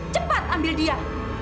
cepat ambil dia